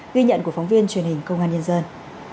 ghi nhận của phóng viên truyền hình công an nhân dân